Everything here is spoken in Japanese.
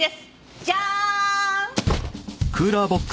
じゃーん！